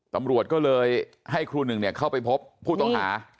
ตำรวจก็เลยให้ครูหนึ่งเข้าไปพบผู้ต้องหา